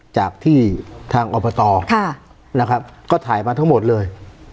จากที่ทางอบตนะครับก็ถ่ายมาทั้งหมดเลย